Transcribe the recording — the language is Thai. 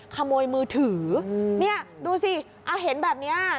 ขโมยมือถือเนี่ยดูสิเอาเห็นแบบนี้